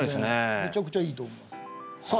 めちゃくちゃいいと思いますさあ